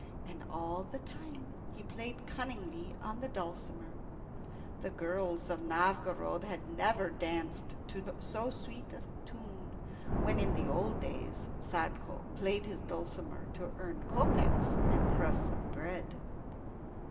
And all the time he played cunningly on the dulcimer. The girls of Novgorod had never danced to so sweet a tune when in the old days Sadko played his dulcimer to earn kopecks and crusts of bread.